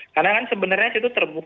karena kan sebenarnya itu terbukti